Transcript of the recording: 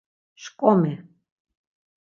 şǩomi!